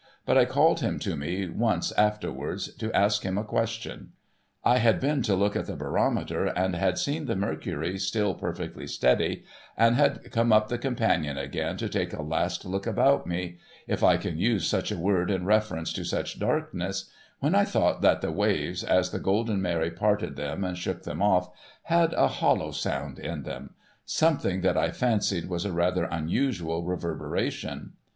But I called him to me once afterwards, to ask him a question. I had been to look at the barometer, and had seen the mercury still perfectly steady, and had come up the companion again to take a last look about me— if I can use such a word in reference to such darkness — when I thought that the waves, as the Golden Mary parted them and shook them off, had a hollow sound in them ; something that I fancied was a rather unusual reverbera tion.